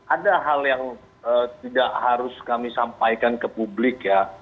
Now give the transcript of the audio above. ada hal yang tidak harus kami sampaikan ke publik ya